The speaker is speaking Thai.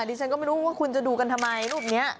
ดิฉันก็ไม่รู้ว่าคุณจะดูกันทำไมรูปนี้